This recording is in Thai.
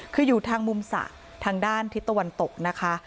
คืออยู่ทางมุมสระทางด้านทิศตะวันตกนะคะ